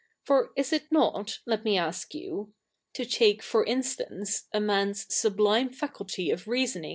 For is it not, let me ask you — to take, for instance, a fnan^s sub lime faculty of reasoning a?